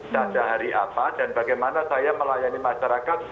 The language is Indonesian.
satah hari apa dan bagaimana saya melayani masyarakat